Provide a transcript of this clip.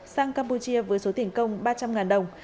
sang campuchia với số tiền công ba trăm linh đồng